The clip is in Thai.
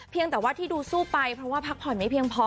แต่ว่าที่ดูสู้ไปเพราะว่าพักผ่อนไม่เพียงพอ